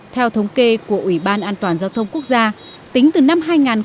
theo thống kê của ủy ban an toàn giao thông quốc gia tính từ năm hai nghìn một mươi tám